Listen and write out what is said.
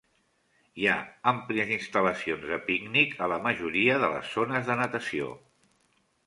Hi ha àmplies instal·lacions de pícnic a la majoria de les zones de natació.